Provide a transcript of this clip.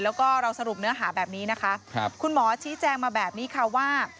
แล้วก็เราสรุปเนื้อหาแบบนี้นะคะครับคุณหมอชี้แจงมาแบบนี้ค่ะว่า